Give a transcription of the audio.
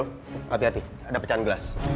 hati hati ada pecahan gelas